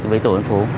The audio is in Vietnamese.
với tổ dân phố